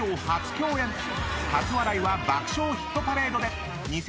初笑いは「爆笑ヒットパレード」で。